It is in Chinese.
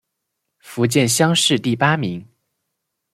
福建乡试第八名。